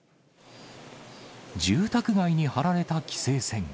住宅街に張られた規制線。